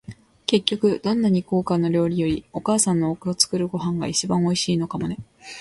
結局、どんなに高価な料理より、お母さんの作るご飯が一番おいしいのかもね。